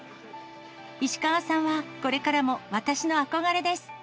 石川さんはこれからも私の憧れです。